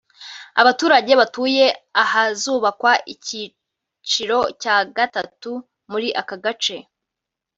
Abaturage batuye ahazubakwa icyiciro cya gatatu muri aka gace